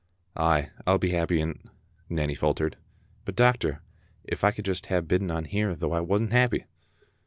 "Ay, I'll be happy in't," Nanny faltered, "but, doc tor, if I could just hae bidden on here though I wasna happy!"